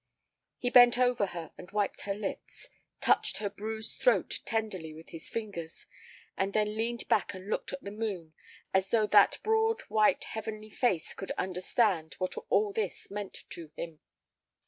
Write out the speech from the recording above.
He bent over her and wiped her lips, touched her bruised throat tenderly with his fingers, and then leaned back and looked at the moon, as though that broad, white, heavenly face could understand what all this meant to him.